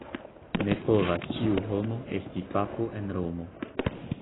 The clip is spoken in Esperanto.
Ne povas ĉiu homo esti papo en Romo.